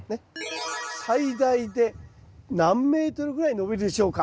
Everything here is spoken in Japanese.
最大で何メートルぐらい伸びるでしょうか？